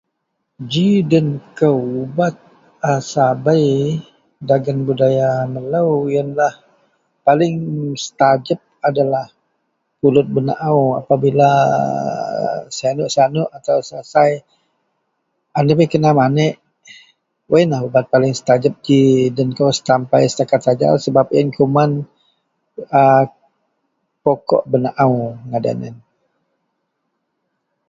ji den kou, ubat a sabei dagen budaya melou ienlah paling mustajeb adalah pulut benaou, apabila aa sinuk-sinuk atau sai-sai a debei kena manek, wak ienlah ubat paling setajeb ji den kou sapai setaket ajau sebab ien kuman a pokok benaou ngaadan ien..